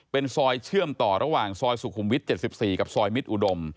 เป็นซอยเชื่อมต่อระหว่างซอยสุขุมวิท๗๔กับซอยมิตรอุดม